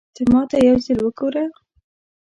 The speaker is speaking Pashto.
ته ماته يو ځل وګوره